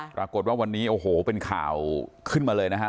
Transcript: ปรากฏว่าวันนี้โอ้โหเป็นข่าวขึ้นมาเลยนะครับ